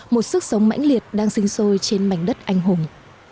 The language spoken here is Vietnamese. một sức sống mãnh liệt đang sinh sôi trên mảnh đất anh hùng